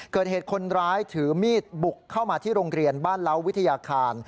เกิดเหตุคนร้ายถือมีดบุกเข้ามาที่โรงเรียนบ้านเล้าวิทยาคาร